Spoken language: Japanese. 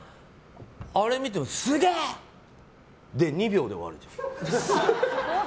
あれ見てもすげえ！で２秒で終わっちゃう。